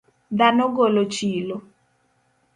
Dhano golo chilo.